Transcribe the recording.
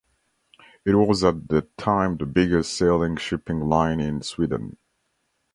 It was at the time the biggest sailing shipping line in Sweden.